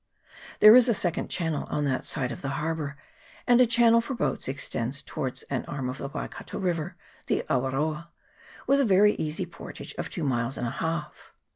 There is a second channel on that side of the harbour ; and a channel for boats extends towards an arm of the Waikato river the Awaroa with a very easy portage of two miles and a half.